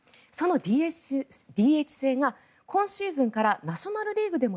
そのＤＨ制が今シーズンからナショナル・リーグ